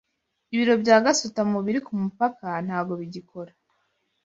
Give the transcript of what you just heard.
Ibiro bya gasutamo biri kumupaka ntago bigikora.